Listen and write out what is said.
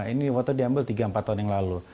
ini waktu diambil tiga empat tahun yang lalu